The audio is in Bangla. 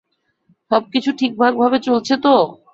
সবকিছু ঠিকভাবে চলছে তো?